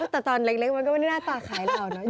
แต่ตอนเล็กมันก็ไม่ได้หน้าตาคล้ายเราเนอะ